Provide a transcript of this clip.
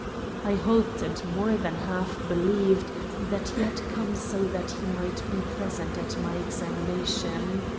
I hoped and more than half believed that he had come so that he might be present at my examination.